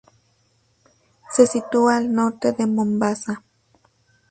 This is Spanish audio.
Se sitúa al norte de Mombasa.